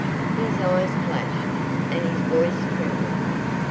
His eyes flashed, and his voice trembled.